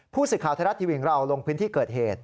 ผู้สื่อข่าวไทยรัฐทีวีของเราลงพื้นที่เกิดเหตุ